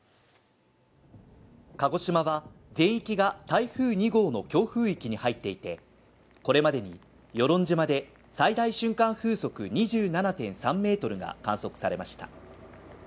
鹿児島は全域が台風２号の強風域に入っていて、これまでに与論島で最大瞬間風速２７．３メートルが観測されました。